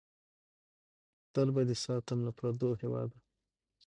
تل به دې ساتم له پردو هېواده!